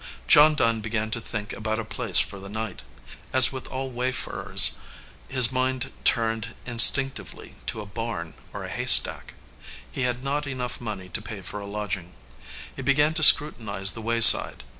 John Dunn began to think about a place for the night. As with all wayfarers, his mind turned instinctively to a barn 287 EDGEWATER PEOPLE or a haystack. He had not enough money to pay for a lodging. He began to scrutinize the wayside.